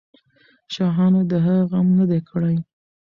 شاهانو د هغې غم نه دی کړی.